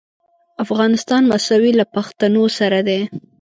افغانستان مساوي له پښتنو سره دی.